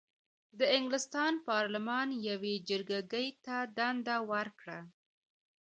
د انګلستان پارلمان یوې جرګه ګۍ ته دنده ورکړه.